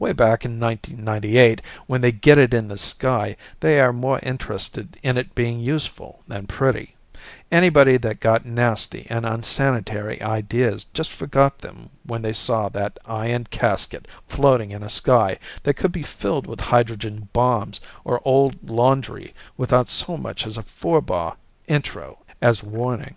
Way back in 1998 when they get it in the sky, they are more interested in it being useful than pretty; anybody that got nasty and unsanitary ideas just forgot them when they saw that iron casket floating in a sky that could be filled with hydrogen bombs or old laundry without so much as a four bar intro as warning.